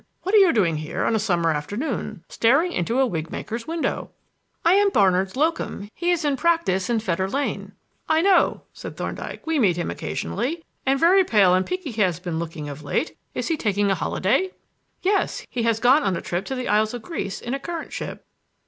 What are you doing here on a summer afternoon staring into a wig maker's window?" "I am Barnard's locum; he is in practise in Fetter Lane." "I know," said Thorndyke; "we meet him occasionally, and very pale and peaky he has been looking of late. Is he taking a holiday?" "Yes. He has gone for a trip to the Isles of Greece in a currant ship."